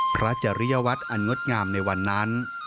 จริยวัตรอันงดงามในวันนั้น